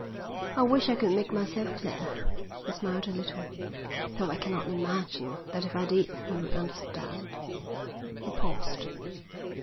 I wish I could make myself clear." He smiled a little. "Though I cannot imagine that if I did you would understand." He paused.